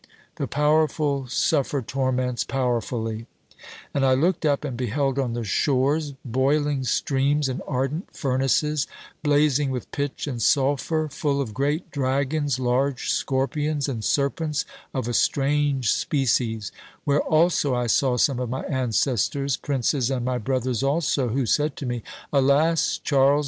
'The powerful suffer torments powerfully;' and I looked up, and beheld on the shores boiling streams and ardent furnaces, blazing with pitch and sulphur, full of great dragons, large scorpions, and serpents of a strange species; where also I saw some of my ancestors, princes, and my brothers also, who said to me, 'Alas, Charles!